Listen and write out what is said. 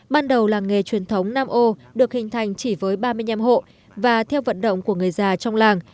ban đầu làng nghề truyền thống nam âu được hình thành chỉ với ba mươi năm hộ và theo vận động của người già trong làng